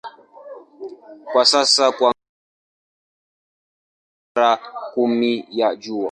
Kwa sasa mwangaza halisi ni mara kumi ya Jua.